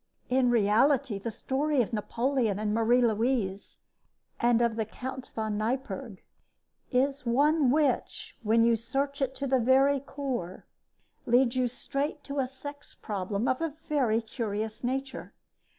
In reality the story of Napoleon and Marie Louise and of the Count von Neipperg is one which, when you search it to the very core, leads you straight to a sex problem of a very curious nature.